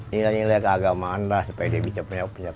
nilai nilai keagamaan lah supaya dia bisa punya filter itu aja lah